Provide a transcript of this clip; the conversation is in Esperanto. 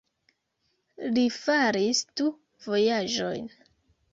Li faris du vojaĝojn.